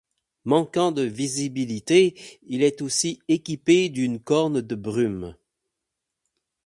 Manquant de visibilité, Il est aussi équipé d'une corne de brume.